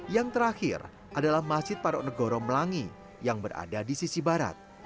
yang terakhir adalah masjid patok negoro melangi yang berada di sisi barat